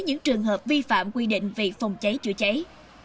những trường hợp vi phạm quy định về phòng cháy chữa cháy